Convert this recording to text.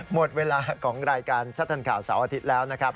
หมดเวลาของรายการชัดทันข่าวเสาร์อาทิตย์แล้วนะครับ